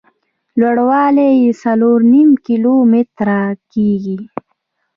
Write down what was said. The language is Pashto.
لوړ والی یې څلور نیم کیلومتره کېږي.